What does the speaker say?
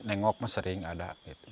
apa pun nengokin sering ada